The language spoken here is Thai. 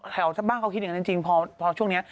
ชาวบ้านเขาคิดอย่างนั้นจริงพอช่วงนี้